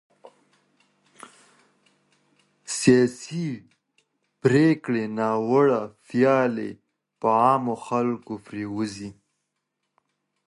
د سياسي پرېکړو ناوړه پايلې په عامو خلګو پرېوځي.